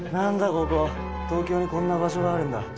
ここ東京にこんな場所があるんだ。